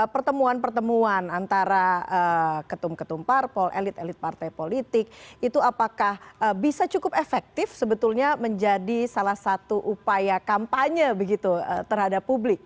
pertemuan pertemuan antara ketum ketum parpol elit elit partai politik itu apakah bisa cukup efektif sebetulnya menjadi salah satu upaya kampanye begitu terhadap publik